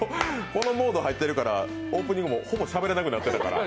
このモード入ってるからオープニングでもほぼしゃべれなくなってるから。